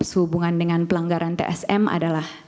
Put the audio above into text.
sehubungan dengan pelanggaran tsm adalah